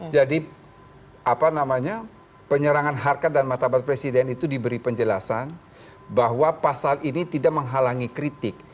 jadi apa namanya penyerangan harkat dan matabat presiden itu diberi penjelasan bahwa pasal ini tidak menghalangi kritik